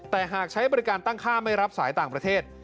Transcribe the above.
แต่หากใช้บริการตั้งค่าไม่รับสายต่างประเทศ